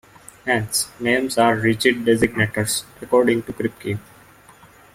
Hence, names are ''rigid designators'', according to Kripke.